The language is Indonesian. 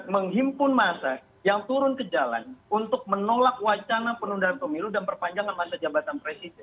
menghimpun masa yang turun ke jalan untuk menolak wacana penundaan pemilu dan perpanjangan masa jabatan presiden